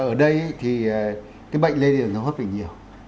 ở đây thì cái bệnh lây đường hô hấp thì nhiều